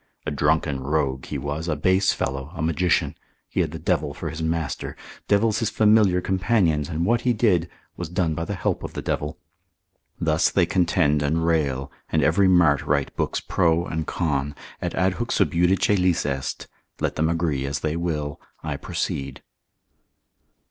A drunken rogue he was, a base fellow, a magician, he had the devil for his master, devils his familiar companions, and what he did, was done by the help of the devil. Thus they contend and rail, and every mart write books pro and con, et adhuc sub judice lis est: let them agree as they will, I proceed.